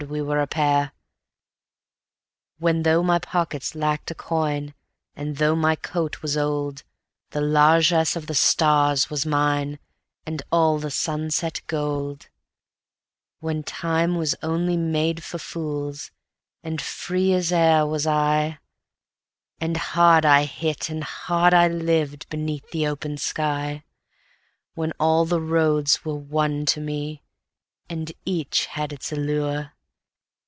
we were a pair; When, though my pockets lacked a coin, and though my coat was old, The largess of the stars was mine, and all the sunset gold; When time was only made for fools, and free as air was I, And hard I hit and hard I lived beneath the open sky; When all the roads were one to me, and each had its allure